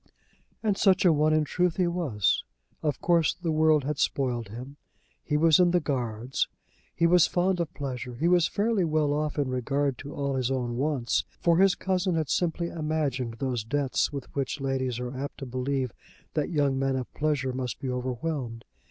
And such a one in truth he was. Of course the world had spoiled him. He was in the Guards. He was fond of pleasure. He was fairly well off in regard to all his own wants, for his cousin had simply imagined those debts with which ladies are apt to believe that young men of pleasure must be overwhelmed.